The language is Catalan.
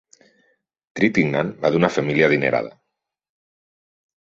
Trintignant va d'una família adinerada.